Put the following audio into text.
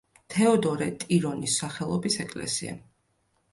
თეოდორე ტირონის სახელობის ეკლესია.